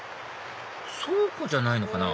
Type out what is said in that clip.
倉庫じゃないのかな？